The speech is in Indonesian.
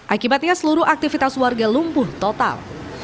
akibatnya seluruh aktivitas warga lumpuh total